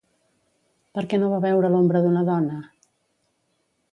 Per què no va veure l'ombra d'una dona?